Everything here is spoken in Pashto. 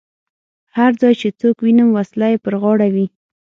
هر ځای چې څوک وینم وسله یې پر غاړه وي.